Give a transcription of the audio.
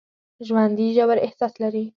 ژوندي ژور احساس لري